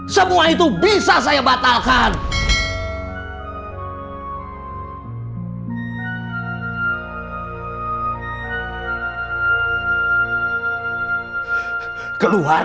kamu itu tidak mengenal siapa saya cuy